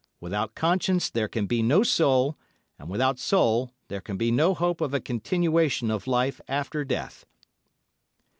Without conscience there can be no soul, and without soul there can be no hope of a continuation of life after death."